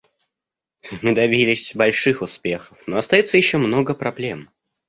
Мы добились больших успехов, но остается еще много проблем.